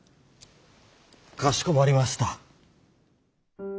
かしこまりました。